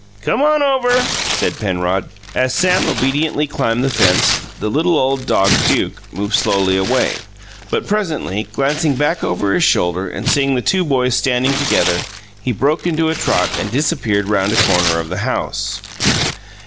"Come on over," said Penrod. As Sam obediently climbed the fence, the little old dog, Duke, moved slowly away, but presently, glancing back over his shoulder and seeing the two boys standing together, he broke into a trot and disappeared round a corner of the house.